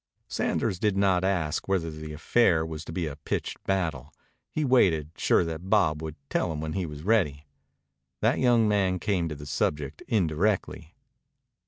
Sanders did not ask whether the affair was to be a pitched battle. He waited, sure that Bob would tell him when he was ready. That young man came to the subject indirectly.